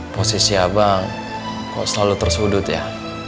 posisi abang kok selalu tersudut ya